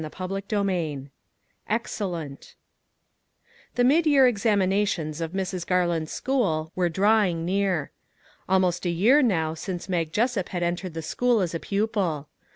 356 CHAPTER XXIII " EXCELLENT " THE midyear examinations of Mrs. Garland's school were drawing near. Almost a year, now, since Mag Jessup had entered the school as a pupil.